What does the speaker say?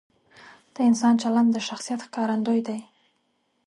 د انسان چلند د شخصیت ښکارندوی دی.